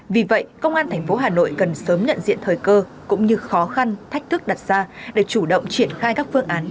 vì vậy công an tp hà nội cần sớm nhận diện thời cơ cũng như khó khăn thách thức đặt ra để chủ động triển khai các phương án